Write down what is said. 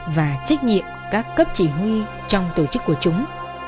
và trách nhiệm các cấp chỉ huy trong tổ chức của chúng